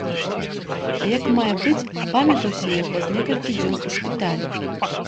А як мае быць апамятаўся я праз некалькі дзён у шпіталі.